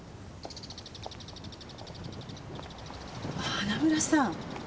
花村さん！？